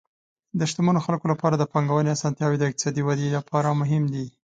د شتمنو خلکو لپاره د پانګونې اسانتیاوې د اقتصادي ودې لپاره مهم دي.